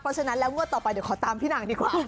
เพราะฉะนั้นแล้วงวดต่อไปเดี๋ยวขอตามพี่นางดีกว่า